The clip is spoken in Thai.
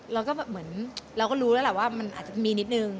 เราก็รู้แล้วว่ามันอาจจะมีนิดนึง